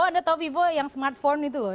anda tahu vivo yang smartphone itu loh